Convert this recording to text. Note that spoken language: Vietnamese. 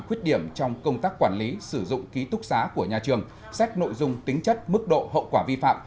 khuyết điểm trong công tác quản lý sử dụng ký túc xá của nhà trường xét nội dung tính chất mức độ hậu quả vi phạm